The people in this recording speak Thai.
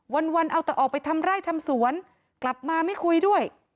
วันวันเอาแต่ออกไปทำไร่ทำสวนกลับมาไม่คุยด้วย